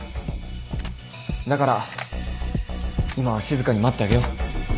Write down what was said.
だから今は静かに待ってあげよう。